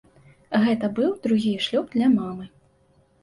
Гэта быў другі шлюб для мамы.